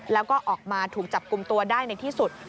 แล้วก็ออกมาถูกจับกลุ่มตัวได้ในที่สุด